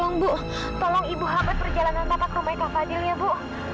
tolong bu tolong ibu habat berjalan dengan papa ke rumah kak fadil ya bu